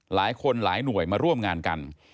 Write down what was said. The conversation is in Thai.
หลายคนหลายหน่วยมาร่วมงานกัน